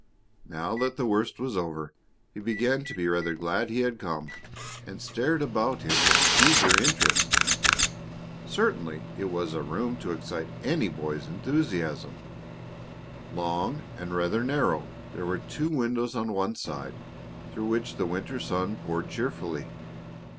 Now that the worst was over he began to be rather glad he had come, and stared about him with eager interest. Certainly it was a room to excite any boy's enthusiasm. Long and rather narrow, there were two windows on one side through which the winter sun poured cheerfully.